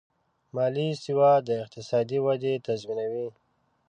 مالي سواد د اقتصادي ودې تضمینوي.